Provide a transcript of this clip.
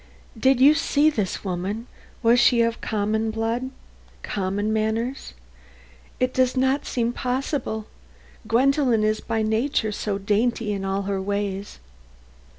"Did you see this woman? Was she of common blood, common manners? It does not seem possible Gwendolen is by nature so dainty in all her ways."